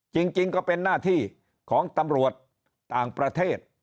จริงก็เป็นหน้าที่ของตำรวจต่างประเทศ